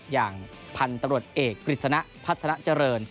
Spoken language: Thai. อย่างพันธุ์ตำรวจเอกกฤษณะพัฒนาเจริญ